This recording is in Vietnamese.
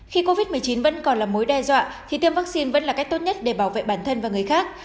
khi covid một mươi chín vẫn còn là mối đe dọa thì tiêm vaccine vẫn là cách tốt nhất để bảo vệ bản thân và người khác